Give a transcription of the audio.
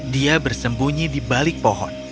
dia bersembunyi di balik pohon